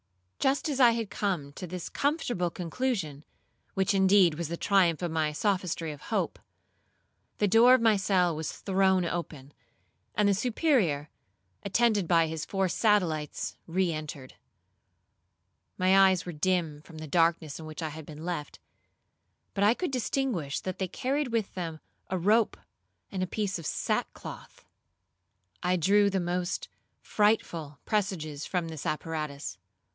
Just as I had come to this comfortable conclusion, which indeed was the triumph of the sophistry of hope, the door of my cell was thrown open, and the Superior, attended by his four satellites re entered. My eyes were dim from the darkness in which I had been left, but I could distinguish that they carried with them a rope and a piece of sackcloth. I drew the most frightful presages from this apparatus.